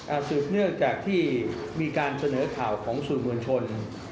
อาสืบเนื้อจากที่มีการเสนอข่าวของศูนย์เมืองชน